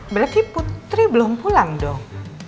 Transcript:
berarti putri belum pulang dong